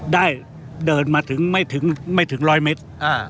ได้เดินมาถึงไม่ถึง๑๐๐เมตร